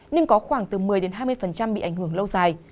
nhưng có khoảng từ một mươi hai mươi bị ảnh hưởng lâu dài